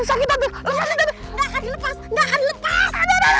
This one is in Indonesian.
nggak akan dilepas nggak akan dilepas